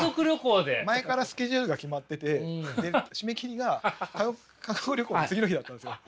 前からスケジュールが決まってて締め切りが韓国旅行の次の日だったんですよ。